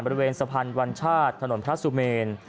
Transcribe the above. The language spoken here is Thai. บริเวณสะพานวัญชาติถนนพระสุเมน